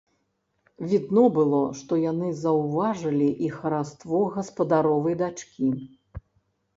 Відно было, што яны заўважылі і хараство гаспадаровай дачкі.